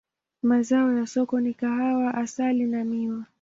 Mazao ya soko ni kahawa, asali na miwa.